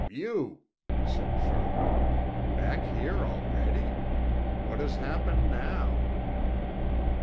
"You!" he said sharply. "Back here already? What has happened now?"